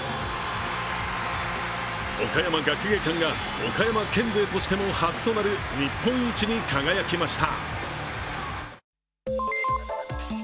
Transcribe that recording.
岡山学芸館が岡山県勢としても初となる日本一に輝きました。